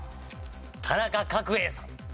田中角栄さん。